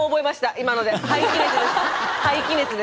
今ので。